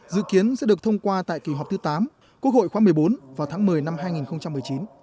dự kiến sẽ được thông qua tại kỳ họp thứ tám quốc hội khóa một mươi bốn vào tháng một mươi năm hai nghìn một mươi chín